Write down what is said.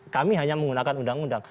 kami hanya menggunakan undang undang